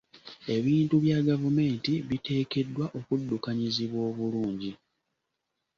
Ebintu bya gavumenti biteekeddwa okuddukanyizibwa obulungi.